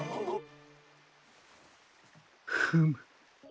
フム。